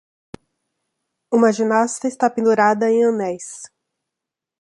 Uma ginasta está pendurada em anéis.